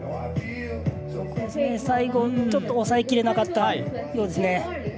最後、ちょっと抑えきれなかったようですね。